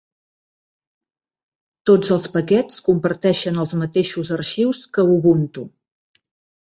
Tots els paquets comparteixen els mateixos arxius que Ubuntu.